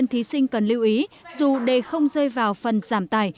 và các học sinh cần lưu ý dù đề không dây vào phần giảm tài